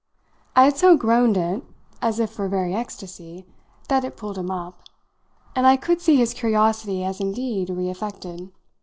I had so groaned it as if for very ecstasy that it pulled him up, and I could see his curiosity as indeed reaffected.